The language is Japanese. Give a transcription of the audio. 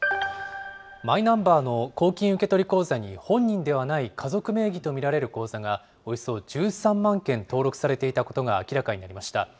マイナンバーの公金受取口座に本人ではない家族名義と見られる口座が、およそ１３万件登録されていたことが明らかになりました。